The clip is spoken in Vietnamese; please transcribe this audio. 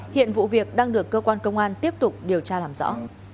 hiện vụ việc đang được cơ quan công an tiếp tục điều tra làm rõ